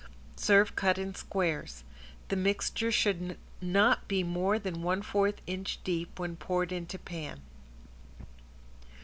Serve cut in squares. The mixture should not be more than one fourth inch deep when poured into pan.